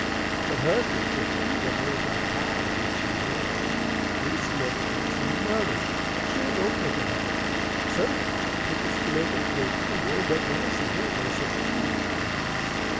But husband couldn't eat 'em: they was like pizen tew him. Melissy never eats 'em nother: she ain't no pickle hand. Some gals eat pickles to make 'em grow poor, but Melissy hain't no such foolish notions.